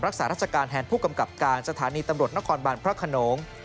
รักษาราชการแทนผู้กำกับการสถานีตำรวจนครบานพระขนง